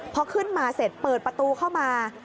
พอขึ้นมาเสร็จเปิดประตูเข้ามา